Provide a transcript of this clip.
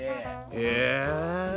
へえ。